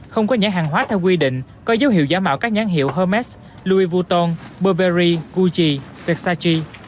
không có nhãn hàng hóa theo quy định có dấu hiệu giả mạo các nhãn hiệu hermès louis vuitton burberry gucci versace